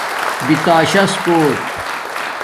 بتشاس کوٹ